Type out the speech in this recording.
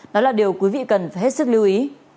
nó là điều quý vị cần hết sức lưu ý